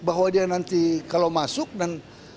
bahwa dia nanti kalau masuk dan